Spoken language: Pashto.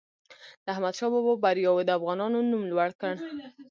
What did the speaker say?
د احمدشاه بابا بریاوو د افغانانو نوم لوړ کړ.